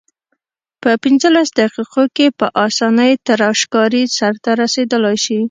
په پنځلس دقیقو کې په اسانۍ تراشکاري سرته رسیدلای شي.